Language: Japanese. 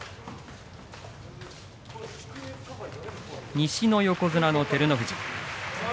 西の横綱の照ノ富士。